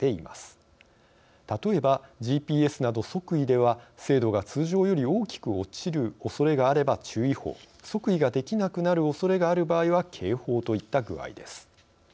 例えばＧＰＳなど測位では精度が通常より大きく落ちるおそれがあれば注意報測位ができなくなるおそれがある場合は警報といった具合です。